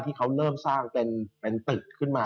ที่เขาเริ่มสร้างเป็นตึกขึ้นมา